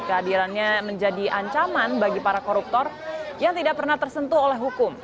kehadirannya menjadi ancaman bagi para koruptor yang tidak pernah tersentuh oleh hukum